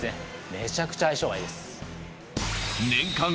めちゃくちゃ相性がいいです